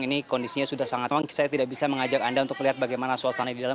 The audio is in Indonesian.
ini kondisinya sudah sangat memang saya tidak bisa mengajak anda untuk melihat bagaimana suasana di dalam